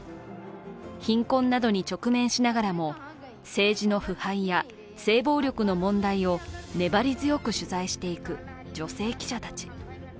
貧困などに直面しながらも、政治の腐敗や性暴力の問題を粘り強く取材していく女性記者たち。